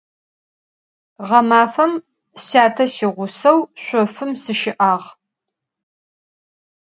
Ğemafem syate siğuseu şsofım sışı'ağ.